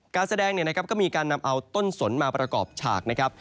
การแสดงเนี่ยนะครับก็มีการนำเอาต้นสนมาประกอบฉากนะครับ